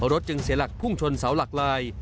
รถจึงเสียหลักพุ่งชนเสาหลักลาย